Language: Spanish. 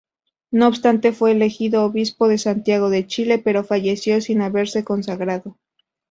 No obstante fue elegido obispo de Santiago de Chile, pero falleció sin haberse consagrado.